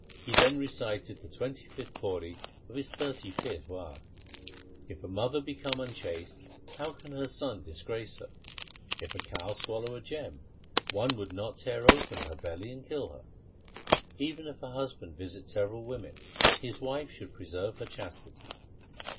He then recited the twentieth pauri of his thirty fifth War :— If a mother become unchaste, how can her son disgrace her ? If a cow swallow a gem, one would not tear open her belly and kill her. Even if a husband visit several women, his wife should preserve her chastity.